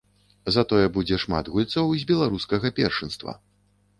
Затое будзе шмат гульцоў з беларускага першынства.